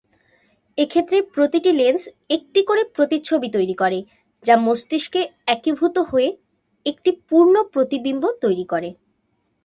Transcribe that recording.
এক্ষেত্রে প্রতিটি লেন্স একটি করে প্রতিচ্ছবি তৈরি করে, যা মস্তিষ্কে একীভূত হয়ে একটি পূর্ণ প্রতিবিম্ব তৈরি করে।